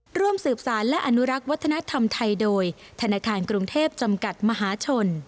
ร่วมสืบสารและอนุรักษ์วัฒนธรรมไทยโดยธนาคารกรุงเทพจำกัดมหาชน